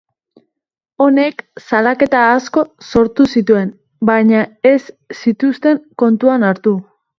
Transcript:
Honek salaketa asko sortu zituen baina ez zituzten kontuan hartu.